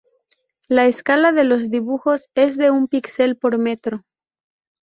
La escala de los dibujos es de un píxel por metro.